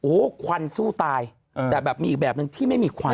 โอ้โหควันสู้ตายแต่แบบมีอีกแบบนึงที่ไม่มีควัน